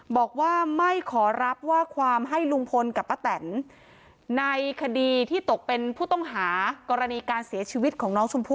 บอกว่าไม่ขอรับว่าความให้ลุงพลกับป้าแตนในคดีที่ตกเป็นผู้ต้องหากรณีการเสียชีวิตของน้องชมพู่